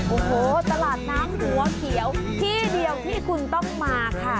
โอ้โหตลาดน้ำหัวเขียวที่เดียวที่คุณต้องมาค่ะ